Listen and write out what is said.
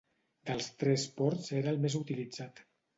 Dels tres ports era el més utilitzat.